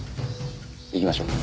行きましょう。